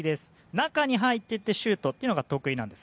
中に入っていってシュートが得意なんです。